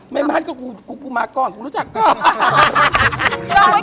ไม่มั่นก็กูมาก่อนกูรู้จักกัน